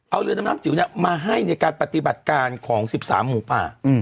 เอาเรือดำน้ำจิ๋วมาให้ในการปฏิบัติการของ๑๓หมูป่า